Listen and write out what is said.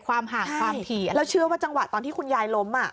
ความห่างความถี่แล้วเชื่อว่าจังหวะตอนที่คุณยายล้มอ่ะ